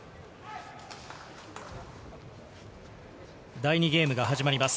第２ゲームが始まります。